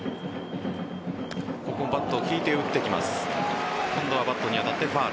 ここもバットを引いて打ってきます。